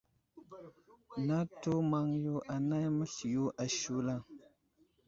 Natu maŋ yo anay məsliyo ashula.